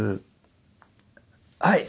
はい。